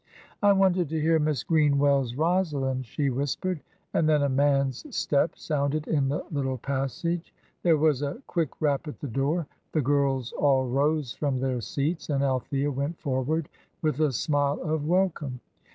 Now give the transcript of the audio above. "I wanted to hear Miss Greenwell's Rosalind," she whispered. And then a man's step sounded in the little passage. There was a quick rap at the door, the girls all rose from their seats, and Althea went forward with a smile of welcome.